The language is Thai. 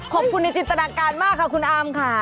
ขอบคุณในจินตนาการมากค่ะคุณอามค่ะ